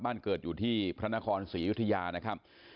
บ้านเกิดอยู่ที่พระนครศรีอยุธยานะครับ